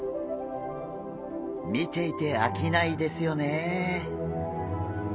見ていてあきないですよねえ。